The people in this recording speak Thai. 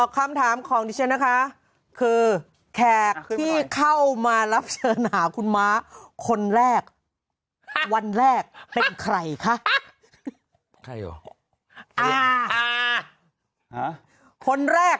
ครับคือแขกเข้ามาล้ามเชิญหาคุณม้าคนแรกการวันแรกใครค่ะเลยหรอของคนแรก